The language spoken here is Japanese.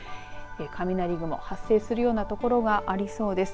雷雲が発生するような所がありそうです。